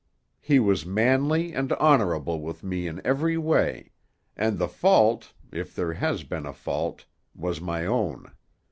He was manly and honorable with me in every way; and the fault, if there has been a fault, was my own.